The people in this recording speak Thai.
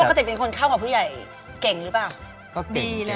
แล้วปกติเป็นคนเข้าของผู้ใหญ่เก่งหรือเปล่า